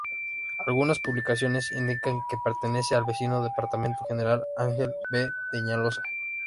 Algunas publicaciones indican que pertenece al vecino departamento General Ángel V. Peñaloza.